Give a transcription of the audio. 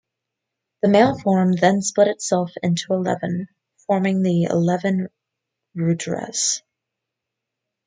The male form then split itself into eleven, forming the eleven Rudras.